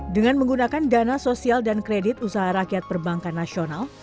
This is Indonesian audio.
dengan menggunakan dana sosial dan kredit usaha rakyat perbankan nasional